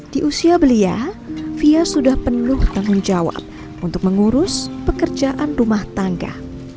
di usia belia fia sudah penuh tanggung jawab untuk mengurus pekerjaan rumah tangga